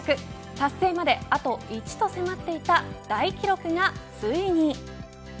達成まであと１と迫っていた大記録がついに。